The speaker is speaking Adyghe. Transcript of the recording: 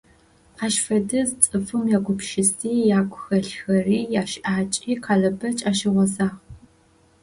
Ащ фэдиз цӀыфым ягупшыси, ягухэлъхэри, ящыӀакӀи Къалэбэч ащыгъозагъ.